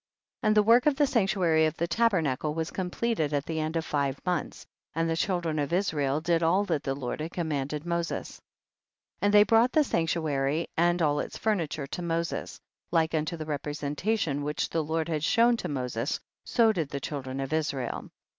35. And the work of the sanctu ary of the tabernacle was completed at the end of five months, and the children of Israel did all that the Lord had commanded Moses. 36. And they brought the sanctu ary and all its furniture to Moses ; like unto the representation which the Lord had shown to Moses, so did the children of Israel.